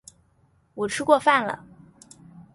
我吃过饭了